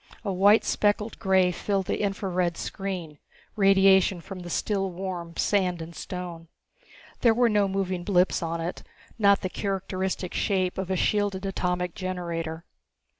A white speckled grey filled the infra red screen, radiation from the still warm sand and stone. There were no moving blips on it, not the characteristic shape of a shielded atomic generator.